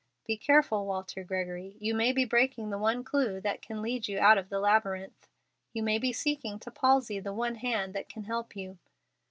Be careful, Walter Gregory, you may be breaking the one clew that can lead you out of the labyrinth. You may be seeking to palsy the one hand that can help you.